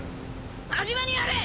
真面目にやれ！